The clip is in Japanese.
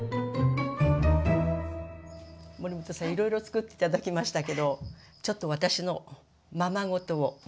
守本さんいろいろつくって頂きましたけどちょっと私のままごとを見て頂ける？